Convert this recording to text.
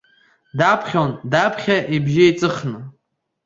Даԥхьон, даԥхьа ибжьы еиҵыхны.